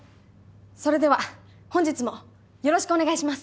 それでは本日もよろしくお願いします。